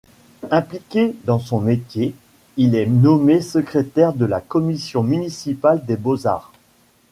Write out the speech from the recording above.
Impliqué dans son métier, il est nommé secrétaire de la Commission municipale des beaux-arts.